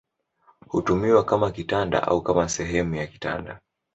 Hutumiwa kama kitanda au kama sehemu ya kitanda.